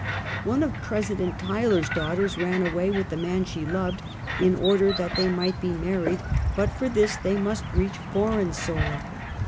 One of President Tyler's daughters ran away with the man she loved, in order that they might be mar ried, but for this they must reach foreign soil.